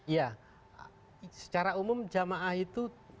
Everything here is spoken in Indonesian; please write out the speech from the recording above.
ya secara umum jamaah itu